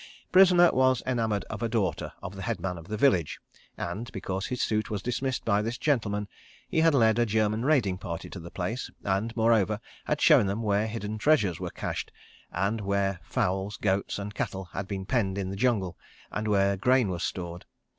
Prisoner was enamoured of a daughter of the headman of the village, and, because his suit was dismissed by this gentleman, he had led a German raiding party to the place, and, moreover, had shown them where hidden treasures were cached, and where fowls, goats, and cattle had been penned in the jungle, and where grain was stored.